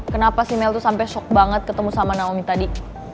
kenapa simel tuh sampai shock banget ketemu sama naomi tadi